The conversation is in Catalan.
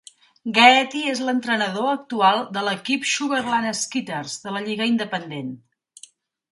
Gaetti és l'entrenador actual de l'equip Sugar Land Skeeters de la lliga independent.